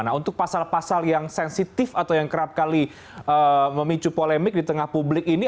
nah untuk pasal pasal yang sensitif atau yang kerap kali memicu polemik di tengah publik ini